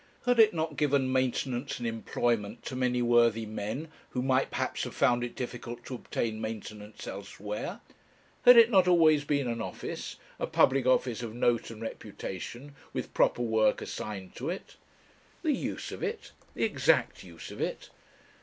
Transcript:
had it not given maintenance and employment to many worthy men who might perhaps have found it difficult to obtain maintenance elsewhere? had it not always been an office, a public office of note and reputation, with proper work assigned to it? The use of it the exact use of it?